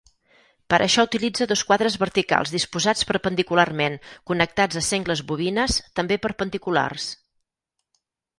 Per això utilitza dos quadres verticals disposats perpendicularment, connectats a sengles bobines, també perpendiculars.